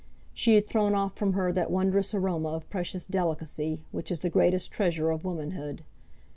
She had thrown off from her that wondrous aroma of precious delicacy, which is the greatest treasure of womanhood.